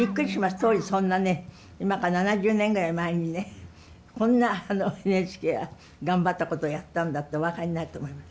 当時そんなね今から７０年ぐらい前にねこんなＮＨＫは頑張ったことをやったんだってお分かりになると思います。